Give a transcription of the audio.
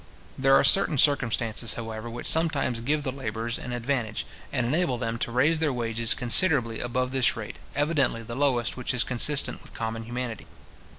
There are certain circumstances, however, which sometimes give the labourers an advantage, and enable them to raise their wages considerably above this rate, evidently the lowest which is consistent with common humanity.